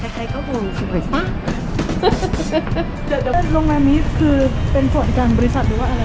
ใครก็มีความผอมสวยป่ะ